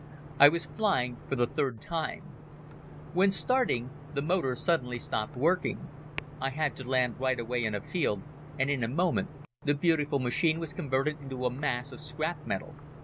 I was flying for the third time. When starting, the motor suddenly stopped working. I had to land right away in a field and in a moment the beautiful machine was converted into a mass of scrap metal.